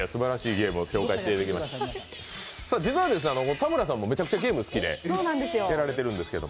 田村さんもめちゃくちゃゲームが好きでやられていますけど。